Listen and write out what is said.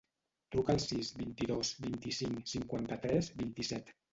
Truca al sis, vint-i-dos, vint-i-cinc, cinquanta-tres, vint-i-set.